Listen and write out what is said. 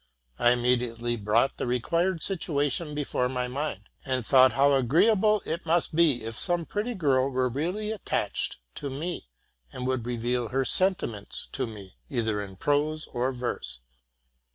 I immediately brought the required situation before my mind, and thought how agreeable it must be if some pretty girl were really attached to me, and would reveal her senti ments to me, either in prose or verse.